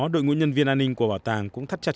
đội ngũ nhân viên an ninh của bảo tàng cũng thắt chặt